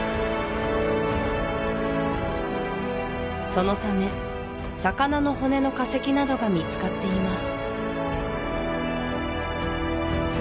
そのため魚の骨の化石などが見つかっています